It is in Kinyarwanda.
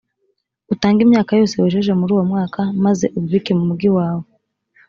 utange imyaka yose wejeje muri uwo mwaka, maze ubibike mu mugi wawe.